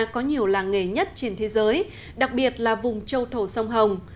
có nhiều làng nghề nhất trên thế giới đặc biệt là vùng châu thổ sông hồng